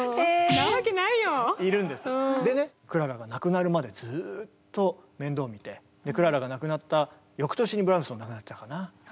クララが亡くなるまでずっと面倒見てクララが亡くなった翌年にブラームスも亡くなっちゃうかな。